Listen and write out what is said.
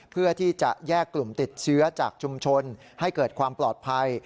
เพื่อที่จะแยกกลุ่มติดเชื้อจากชุมชนให้เกิดความปลอดภัย